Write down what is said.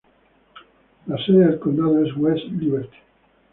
La sede del condado es West Liberty.